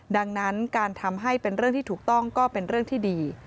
ดังนั้นการทำให้เป็นเรื่องที่ถูกต้องก็เป็นเรื่องที่ดี